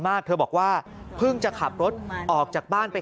เธอบอกว่าเพิ่งจะขับรถออกจากบ้านไป